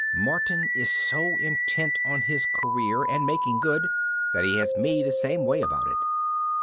Martin is so intent on his career and making good that he has me the same way about it.